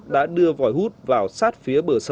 đã đưa vòi hút vào sạt lở